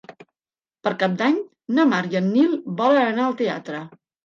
Per Cap d'Any na Mar i en Nil volen anar al teatre.